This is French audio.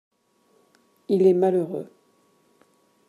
Il est malheureux